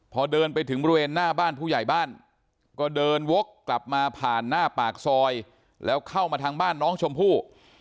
พอเดินไปถึงบริเวณหน้าบ้านผู้ใหญ่บ้านก็เดินวกกลับมาผ่านหน้าปากซอยแล้วเข้ามาทางบ้านน้องชมพู่